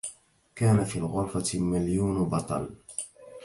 كان في الغرفة مليون بطل!